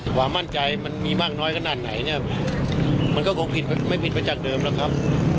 ความมั่นใจมันมีมากน้อยขนาดไหนเนี่ยมันก็คงผิดไม่ผิดไปจากเดิมหรอกครับ